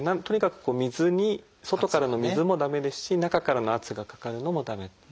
とにかく水に外からの水も駄目ですし中からの圧がかかるのも駄目。